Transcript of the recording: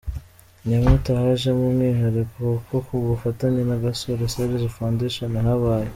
Nyamata hajemo umwihariko kuko ku bufatanye na Gasore Serge Foundation habaye